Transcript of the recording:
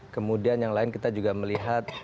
kemudian yang lain kita juga melihat